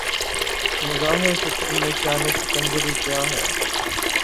نگاہ فقر میں شان سکندری کیا ہے